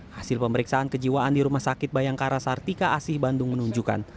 hasil pemeriksaan kejiwaan di rumah sakit bayangkara sartika asih bandung menunjukkan